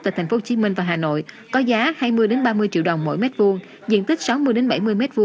tại tp hcm và hà nội có giá hai mươi ba mươi triệu đồng mỗi mét vuông diện tích sáu mươi bảy mươi m hai